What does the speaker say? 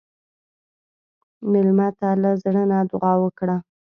مېلمه ته له زړه نه دعا وکړه.